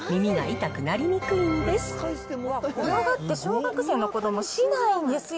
嫌がって小学生の子ども、しないんですよ。